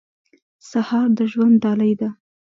سهار د ژوند ډالۍ ده.